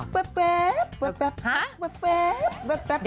แวบแวบแบบ